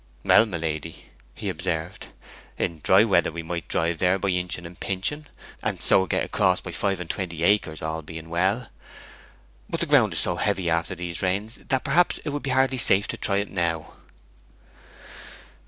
'Well, my lady,' he observed, 'in dry weather we might drive in there by inching and pinching, and so get across by Five and Twenty Acres, all being well. But the ground is so heavy after these rains that perhaps it would hardly be safe to try it now.'